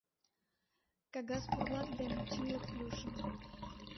Кагаз порлат ден чынле плюшым!